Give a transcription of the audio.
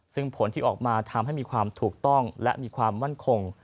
ซึ่งผลที่ออกมาทำให้มีความถูกต้องและมีความมั่นคง